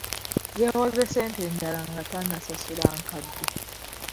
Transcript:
Yeewoze ssente endala nga tannasasula nkadde.